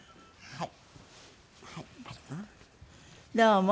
はい。